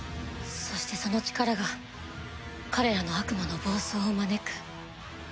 そしてその力が彼らの悪魔の暴走を招く。